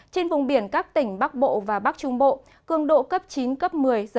trên vùng biển các tỉnh bắc bộ và bắc trung bộ cường độ cấp chín cấp một mươi sáu